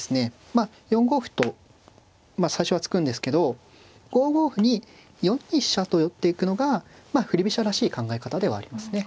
まあ４五歩と最初は突くんですけど５五歩に４二飛車と寄っていくのが振り飛車らしい考え方ではありますね。